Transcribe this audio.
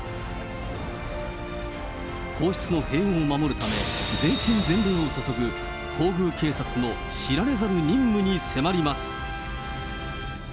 皇室の平穏を守るため、全身全霊を注ぐ皇宮警察の知られざる任務に迫ります。